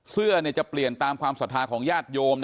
เสื้อจะเปลี่ยนตามความศรัทธาของญาติโยม